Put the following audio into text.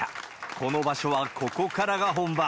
この場所はここからが本番。